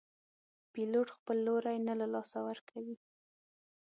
پیلوټ خپل لوری نه له لاسه ورکوي.